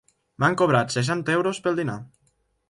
M'han cobrat seixanta euros pel dinar.